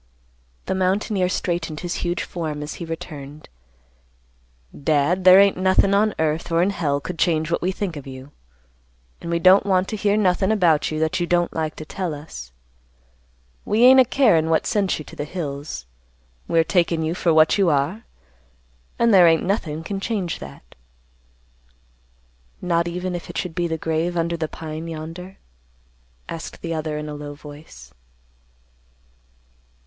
The mountaineer straightened his huge form as he returned, "Dad, there ain't nothin' on earth or in hell could change what we think of you, and we don't want to hear nothin' about you that you don't like to tell us. We ain't a carin' what sent you to the hills. We're takin' you for what you are. And there ain't nothin' can change that." "Not even if it should be the grave under the pine yonder?" asked the other in a low voice.